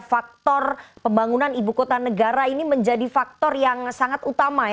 faktor pembangunan ibu kota negara ini menjadi faktor yang sangat utama